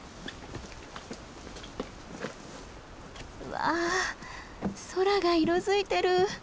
わあ空が色づいてる。